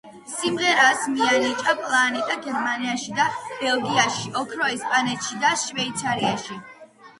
სიმღერას მიენიჭა პლატინა გერმანიაში და ბელგიაში, ოქრო ესპანეთში და შვეიცარიაში.